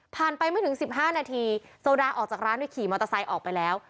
ไปไม่ถึง๑๕นาทีโซดาออกจากร้านโดยขี่มอเตอร์ไซค์ออกไปแล้ว